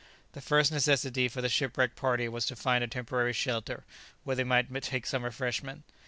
The first necessity for the shipwrecked party was to find a temporary shelter where they might take some refreshment.